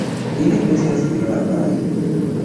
Ili estas rabaj.